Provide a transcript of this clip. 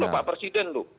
pak presiden tuh